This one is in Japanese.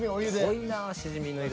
濃いなシジミの色。